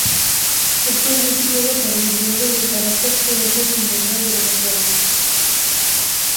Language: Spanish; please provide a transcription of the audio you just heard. Actualmente, juega para los Leones del Caracas en la serie invernal de Venezuela.